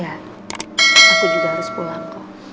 aku juga harus pulang kok